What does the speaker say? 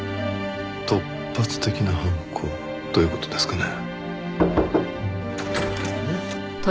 突発的な犯行という事ですかね？